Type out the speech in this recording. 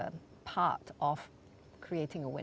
jadi apa yang paling lama